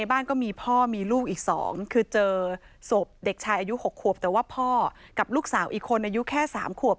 อายุแค่๓ขวบ